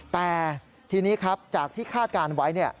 แต่ทีนี้ครับจากที่คาดการณ์ไว้